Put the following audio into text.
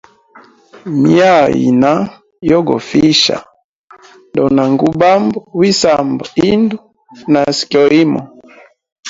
Myaa yina yogofihisha, ndona ngubamba wi samba indu nasi kyoimo.